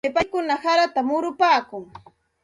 Kaychawmi paykuna harata murupaakun.